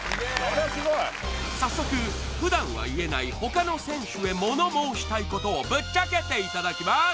すごい早速普段は言えない他の選手へ物申したいことをぶっちゃけていただきます